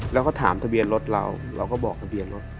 แล้วก็ถามทะเบียนรถเราเราก็บอกทะเบียนรถ